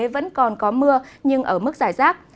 vẫn còn có mưa nhưng ở mức giải rác